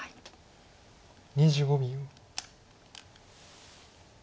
２５秒。